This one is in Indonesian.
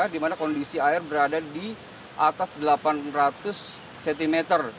di mana kondisi air berada di atas delapan ratus cm